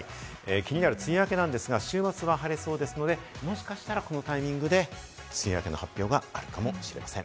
気になる梅雨明けなんですが、週明けは晴れそうですので、もしかしたらこのタイミングで梅雨明けの発表があるかもしれません。